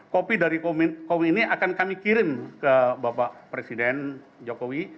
kopi dari kopi ini akan kami kirim ke bapak presiden jokowi